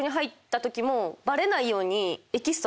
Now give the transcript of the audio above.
バレないように。